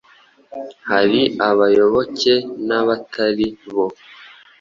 Hari ay'abayoboke n'abatari bo.